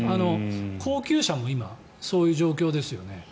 高級車も今、そういう状況でしょね。